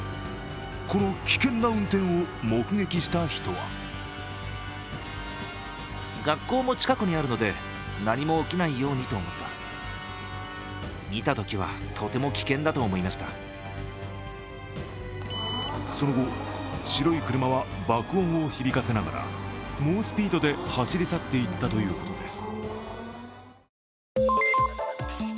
この危険な運転を目撃した人はその後、白い車は爆音を響かせながら猛スピードで走り去っていったということです。